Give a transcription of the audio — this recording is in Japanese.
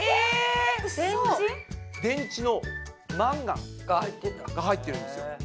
電池のマンガンが入ってるんですよ。